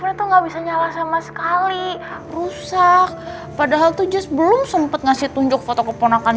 itu nggak bisa nyala sama sekali rusak padahal tujuan belum sempet ngasih tunjuk foto keponakan